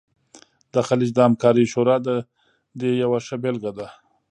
د خلیج د همکارۍ شورا د دې یوه ښه بیلګه ده